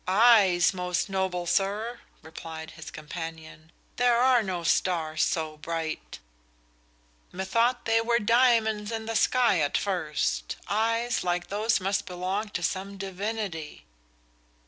"Eyes, most noble sir," replied his companion. "There are no stars so bright." "Methought they were diamonds in the sky at first. Eyes like those must belong to some divinity."